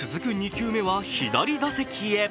２球目は左打席へ。